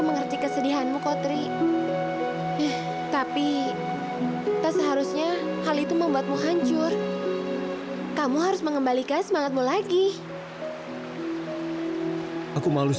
tapi tidak ada alasan untuk mundur